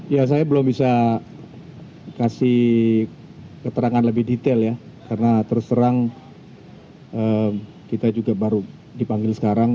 ya saya belum bisa kasih keterangan lebih detail ya karena terus terang kita juga baru dipanggil sekarang